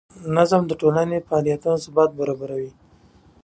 نظم د ټولنې د فعالیتونو ثبات برابروي.